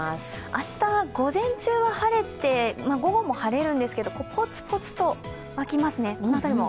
明日、午前中は晴れて午後も晴れるんですけれども、ポツポツとわきますね。